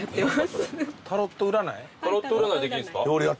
タロット占いできるんですか？